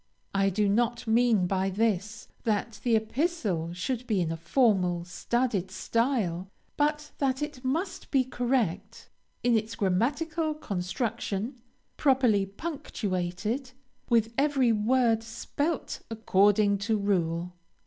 I do not mean by this, that the epistle should be in a formal, studied style, but that it must be correct in its grammatical construction, properly punctuated, with every word spelt according to rule.